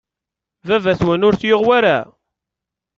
Baba-twen ur t-yuɣ wara?